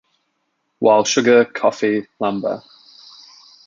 While sugar, coffee, lumber.